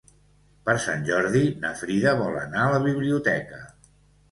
Per Sant Jordi na Frida vol anar a la biblioteca.